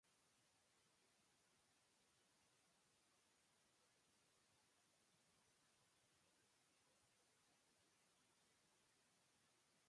すっかり怒ってしまってある限りの力をこめて、鎌をふりはじました。小悪魔は力負けして、もうとても持ちこたえることが出来なくなりました。